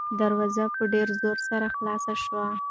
دروازه په ډېر زور سره خلاصه شوه.